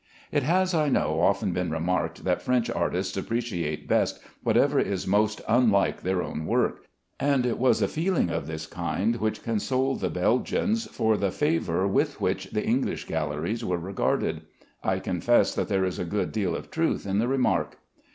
It has, I know, often been remarked that French artists appreciate best whatever is most unlike their own work, and it was a feeling of this kind which consoled the Belgians for the favor with which the English galleries were regarded. I confess that there is a good deal of truth in the remark.